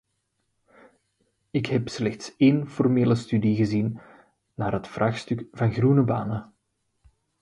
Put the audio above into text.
Ik heb slechts één formele studie gezien naar het vraagstuk van groene banen.